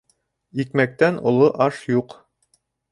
Икмәктән оло аш юҡ.